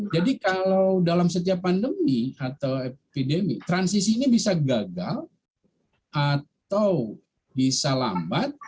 jadi kalau dalam setiap pandemi atau epidemi transisi ini bisa gagal atau bisa lambat